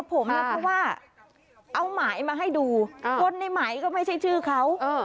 เพราะว่าเอาหมายมาให้ดูคนในหมายก็ไม่ใช่ชื่อเขา